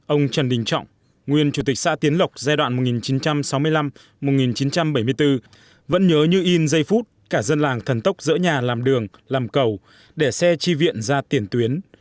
ông trần đình trọng nguyên chủ tịch xã tiến lộc giai đoạn một nghìn chín trăm sáu mươi năm một nghìn chín trăm bảy mươi bốn vẫn nhớ như in giây phút cả dân làng thần tốc dỡ nhà làm đường làm cầu để xe chi viện ra tiền tuyến